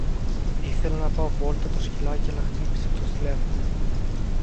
Ήθελα να πάω βόλτα το σκυλάκι αλλά χτύπησε το τηλέφωνο.